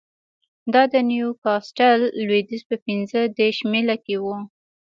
دا د نیوکاسټل لوېدیځ په پنځه دېرش میله کې و